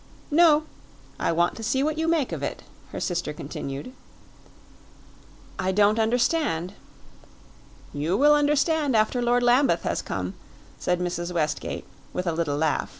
"No; I want to see what you make of it," her sister continued. "I don't understand." "You will understand after Lord Lambeth has come," said Mrs. Westgate with a little laugh.